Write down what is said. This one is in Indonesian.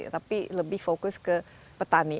tapi lebih fokus ke petani